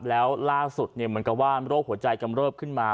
แล้วล่าสุดเนี่ยมันก็ว่าโรคหัวใจกำเนิบขึ้นมา